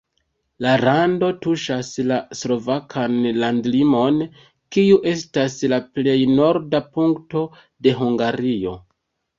La rando tuŝas la slovakan landlimon, kiu estas la plej norda punkto de Hungario.